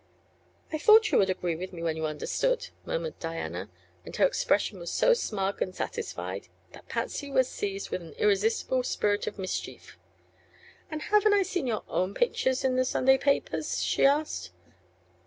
"I thought you would agree with me when you understood," murmured Diana, and her expression was so smug and satisfied that Patsy was seized with an irresistible spirit of mischief. "And haven't I seen your own pictures in the Sunday papers?" she asked.